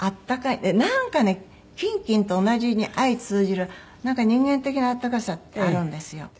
なんかねキンキンと同じに相通じるなんか人間的な温かさってあるんですよ。